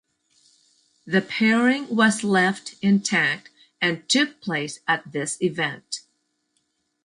The pairing was left intact and took place at this event.